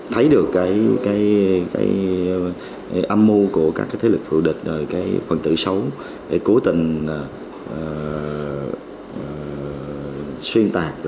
thấy được cái âm mưu của các thế lực phụ địch và phân tử xấu để cố tình xuyên tạc